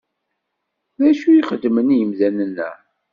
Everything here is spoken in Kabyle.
D acu i xeddmen imdanen-a?